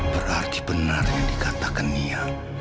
berarti benar yang dikatakan niat